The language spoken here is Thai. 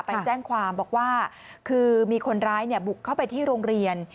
ไปแจ้งความบอกว่าคือมีคนร้ายบุกเข้าไปที่โรงเรียน